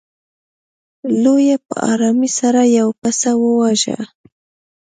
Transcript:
لیوه په ارامۍ سره یو پسه وواژه.